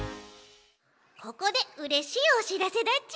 ここでうれしいおしらせだち！